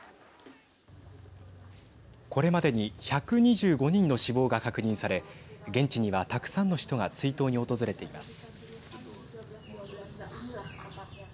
これまでに１２５人の死亡が確認され現地にはたくさんの人が追悼に訪れています。